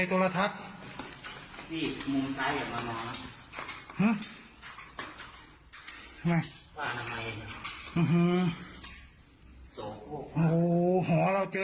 โอ้โฮ